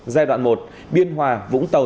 giai đoạn một biên hòa vũng tàu